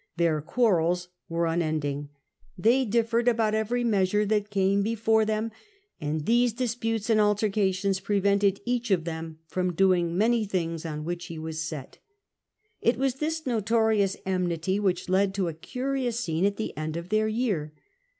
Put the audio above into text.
Their quarrels were unending ; they differed about every M ORASSUS i 7 § measure that came before them, and these disputes and altercations prevented each of them from doing many things on which he was It was this notorious enmity which led to a curious scene at the end of their year.